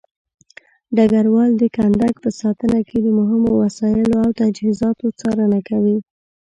ډګروال د کندک په ساتنه کې د مهمو وسایلو او تجهيزاتو څارنه کوي.